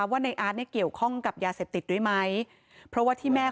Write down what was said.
ว่าในอาร์ตเกี่ยวข้องกับยาเสพติดด้วยไหม